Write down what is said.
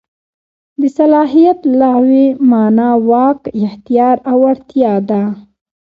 د صلاحیت لغوي مانا واک، اختیار او وړتیا ده.